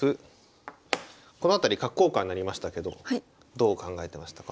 この辺り角交換になりましたけどどう考えてましたか？